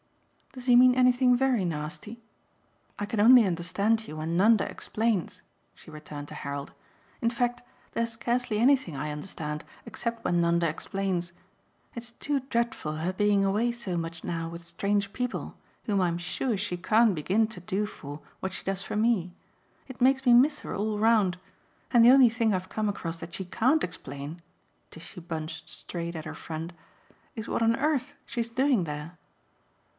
"Does he mean anything very nasty? I can only understand you when Nanda explains," she returned to Harold. "In fact there's scarcely anything I understand except when Nanda explains. It's too dreadful her being away so much now with strange people, whom I'm sure she can't begin to do for what she does for me; it makes me miss her all round. And the only thing I've come across that she CAN'T explain," Tishy bunched straight at her friend, "is what on earth she's doing there."